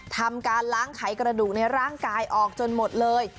ทำการล้างไขกระดูกในร่างกายออกจนหมดเลย